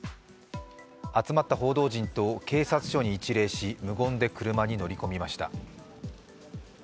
集まった報道陣と警察署に一礼し無言で車に乗り込みました。